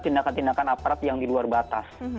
tindakan tindakan aparat yang di luar batas